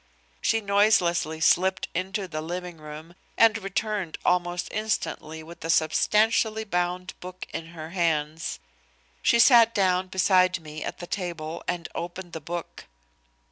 She noiselessly slipped into the living room and returned almost instantly with a substantially bound book in her hands. She sat down beside me at the table and opened the book.